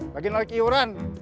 lagi naik iuran